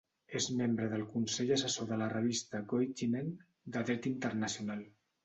És membre del consell assessor de la revista "Goettingen" de dret internacional.